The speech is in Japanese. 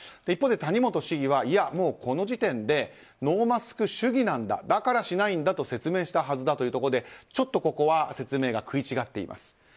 一方、谷本市議はいや、この時点でノーマスク主義なんだだからしないんだと説明したはずだというところでちょっと説明が食い違っています。